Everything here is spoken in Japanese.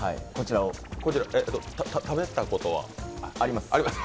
え、食べたことは？あります。